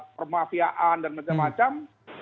permafiaan dan macam macam